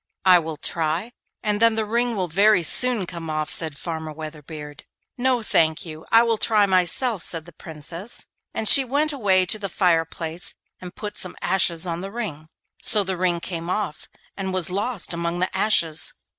'I will try, and then the ring will very soon come off,' said Farmer Weatherbeard. 'No, thank you, I will try myself,' said the Princess, and she went away to the fireplace and put some ashes on the ring. So the ring came off and was lost among the ashes.